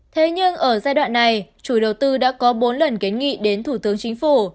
thế nhưng ở giai đoạn này chủ đầu tư đã có bốn lần kiến nghị đến thủ tướng chính phủ